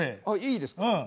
あっいいですか？